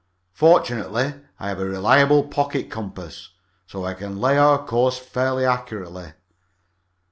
Fortunately, I have a reliable pocket compass, so I can lay our course fairly accurately.